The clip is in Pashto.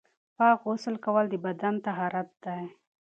پاک غسل کول د بدن طهارت دی.